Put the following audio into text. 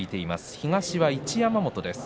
東は一山本です。